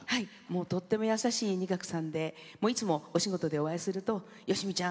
とっても優しい仁鶴さんでいつも、お仕事でお会いするとよしみちゃん